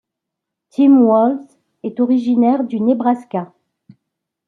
Tim Walz est originaire du Nebraska.